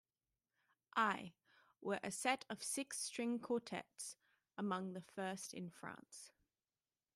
I, were a set of six string Quartets, among the first in France.